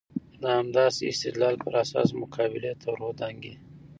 د همداسې استدلال پر اساس مقابلې ته ور دانګي.